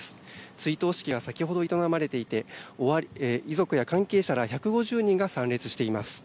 追悼式は先ほど営まれていて遺族や関係者ら１５０人が参列しています。